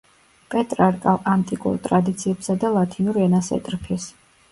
პეტრარკა ანტიკურ ტრადიციებსა და ლათინურ ენას ეტრფის.